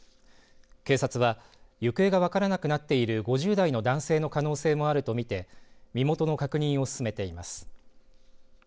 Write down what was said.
警察は行方が分からなくなっている５０代の男性の可能性もあると見て身元の確認を進めています。